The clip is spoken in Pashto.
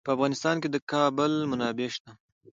په افغانستان کې د کابل منابع شته.